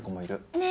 ねえ。